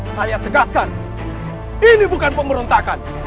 saya tegaskan ini bukan pemberontakan